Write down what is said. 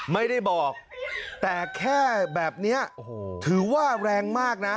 ไม่ได้บอกแต่แค่แบบนี้โอ้โหถือว่าแรงมากนะ